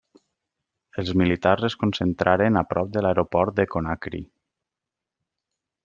Els militars es concentraren a prop de l'aeroport de Conakry.